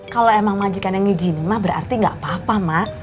kalau emang majikan yang ngijinin ma berarti nggak apa apa ma